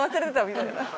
みたいな。